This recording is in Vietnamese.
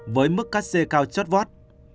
với mức cắt xe cao chót vót